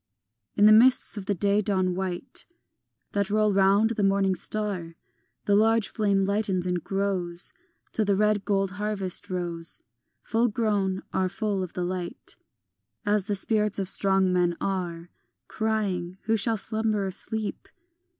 In the mists of the day dawn white That roll round the morning star, The large flame lightens and grows Till the red gold harvest rows, Full grown, are full of the light As the spirits of strong men are, Crying, Who shall slumber or sleep?